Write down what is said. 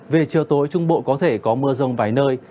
về chiều tối trung bộ có thể có mưa rông vài nơi